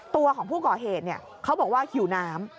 ตัวของผู้ก่อเหตุเขาบอกว่าหิวน้ำ